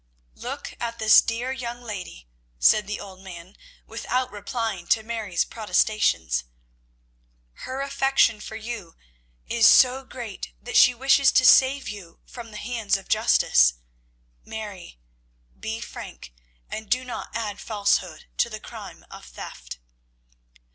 "Look at this dear young lady," said the old man, without replying to Mary's protestations, "her affection for you is so great that she wishes to save you from the hands of justice. Mary, be frank, and do not add falsehood to the crime of theft."